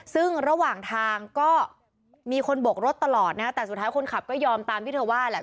ซึ่งระหว่างทางก็มีคนบกรถตลอดนะฮะแต่สุดท้ายคนขับก็ยอมตามที่เธอว่าแหละ